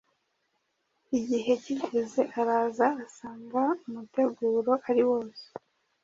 Igihe kigeze araza asanga umuteguro ari wose